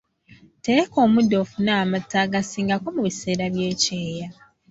Tereka omuddo ofune amata agasingako mu biseera by’ekyeya